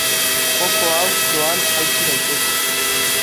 Joko hau doan jaitsi daiteke.